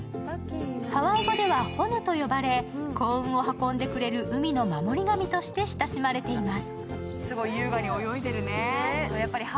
ハワイ語ではホヌと呼ばれ、幸運を運んでくれる海の守り神として親しまれています。